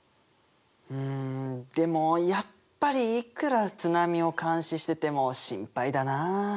うんでもやっぱりいくら津波を監視してても心配だなあ。